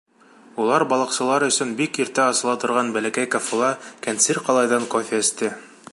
Улар балыҡсылар өсөн бик иртә асыла торған бәләкәй кафела кәнсир ҡалайҙан кофе эсте.